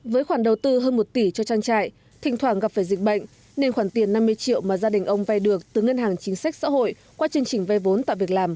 với khoản đầu tư hơn một tỷ cho trang trại thỉnh thoảng gặp phải dịch bệnh nên khoản tiền năm mươi triệu mà gia đình ông vay được từ ngân hàng chính sách xã hội qua chương trình vay vốn tạo việc làm